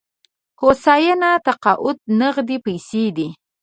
هوساینه تقاعد نغدې پيسې دي.